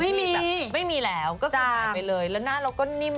ไม่มีไม่มีแล้วก็กลับมาไปเลยจ้ะแล้วหน้าเราก็นิ่ม